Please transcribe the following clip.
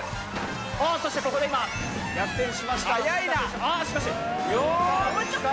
おっそしてここで今逆転しました文田選手。